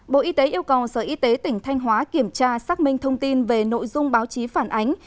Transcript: bộ y tế yêu cầu sở y tế tỉnh thanh hóa kiểm tra xác minh thông tin về nội dung báo chí phản ánh